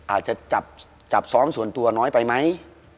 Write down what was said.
อาจจะจับซ้อมส่วนตัวน้อยไปไหม